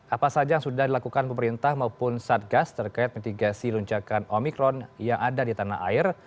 apa saja yang sudah dilakukan pemerintah maupun satgas terkait mitigasi luncakan omikron yang ada di tanah air